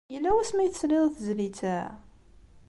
Yella wasmi ay tesliḍ i tezlit-a?